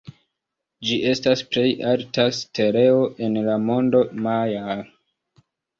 Ĝi estas plej alta steleo en la mondo majaa.